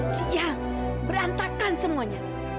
siang berantakan semuanya